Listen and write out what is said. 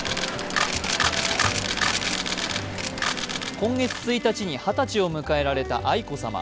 今月１日に二十歳を迎えられた愛子さま。